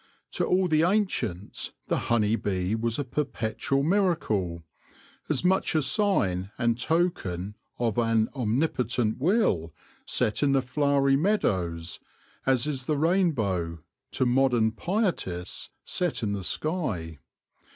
To all the ancients the honey bee was a perpetual miracle, as much a sign and token of an omnipotent Will, set in the flowery meadows, as is the rainbow, to modern pietists, set in the sky.